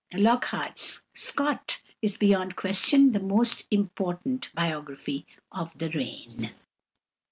Lockhart's "Scott" is beyond question the most important biography of the reign.